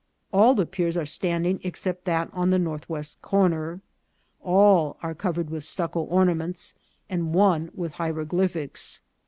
All the piers are standing ex cept that on the northwest corner. All are covered with stucco ornaments, and one with hieroglyphics.